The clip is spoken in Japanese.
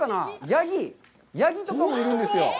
ヤギ、ヤギとかもいるんですよ。